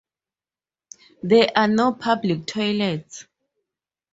There are no public toilets.